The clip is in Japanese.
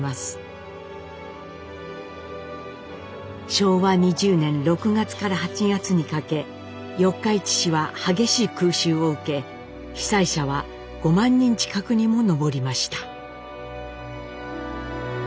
昭和２０年６月から８月にかけ四日市市は激しい空襲を受け被災者は５万人近くにも上りました。